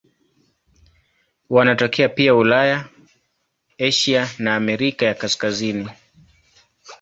Wanatokea pia Ulaya, Asia na Amerika ya Kaskazini.